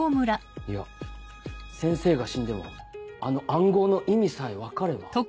いや先生が死んでもあの暗号の意味さえ分かれば。